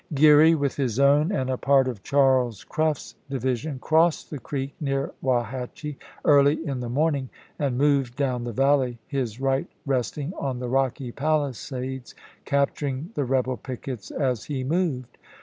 i^^iek' Geary with his own and a part of Charles Cruft's division crossed the creek near Wauhatchie early in the morning and moved down the valley, his right nov.24,i863. resting on the rocky palisades, capturing the rebel pickets as he moved.